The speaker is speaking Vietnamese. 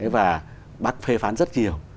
và bác phê phán rất nhiều